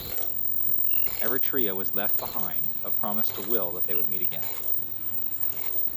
Eretria was left behind but promised to Wil that they would meet again.